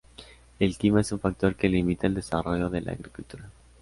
El clima es un factor que limita el desarrollo de la agricultura.